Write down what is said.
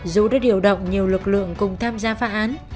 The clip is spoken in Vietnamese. dù đã điều động nhiều lực lượng cùng tham gia phá án